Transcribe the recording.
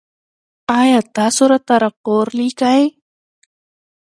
ایا تاسو راته راپور لیکئ؟